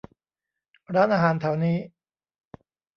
ร้านอาหารแถวนี้